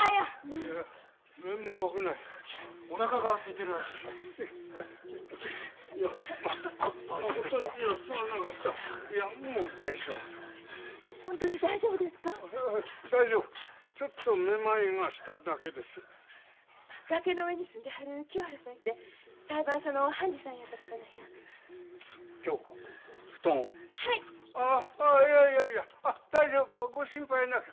ああいやいやいやあ大丈夫ご心配なく。